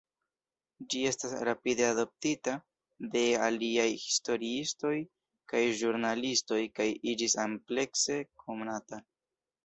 Ĝi estis rapide adoptita de aliaj historiistoj kaj ĵurnalistoj kaj iĝis amplekse konata.